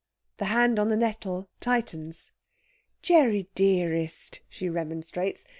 The hand on the nettle tightens. "Gerry dearest!" she remonstrates.